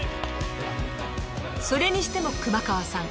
それにしても熊川さん